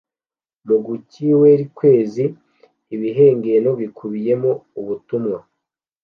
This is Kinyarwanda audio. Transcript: mu gukiwrekwize ibihengeno bikubiyemo ubutumwe